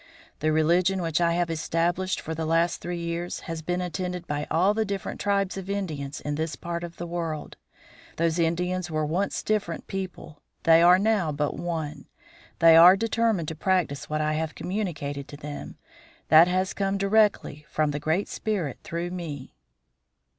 The religion which I have established for the last three years has been attended by all the different tribes of Indians in this part of the world. Those Indians were once different people; they are now but one; they are determined to practise what I have communicated to them, that has come directly from the Great Spirit through me."